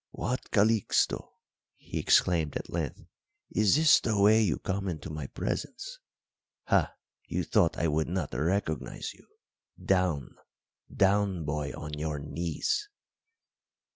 "What, Calixto," he exclaimed at length, "is this the way you come into my presence? Ha, you thought I would not recognise you! Down down, boy, on your knees!"